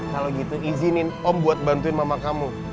kalau gitu izinin om buat bantuin mama kamu